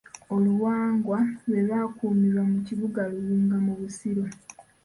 Oluwanga lwe lwakuumirwa mu kibuga Luwunga mu Busiro.